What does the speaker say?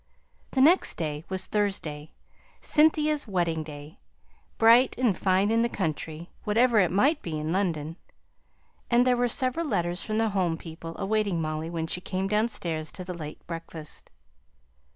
The next day was Thursday, Cynthia's wedding day; bright and fine in the country, whatever it might be in London. And there were several letters from the home people awaiting Molly when she came downstairs to the late breakfast.